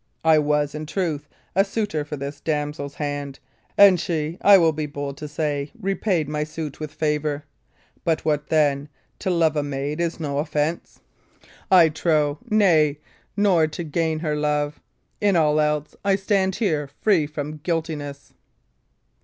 I was, in truth, a suitor for this damsel's hand; and she, I will be bold to say it, repaid my suit with favour. But what then? To love a maid is no offence, I trow nay, nor to gain her love. In all else, I stand here free from guiltiness."